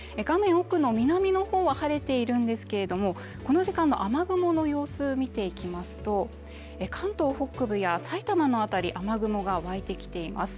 奥の南の方は晴れているんですけれども、この時間の雨雲の様子を見ていきますと、関東北部や埼玉の辺り雨雲が湧いてきています。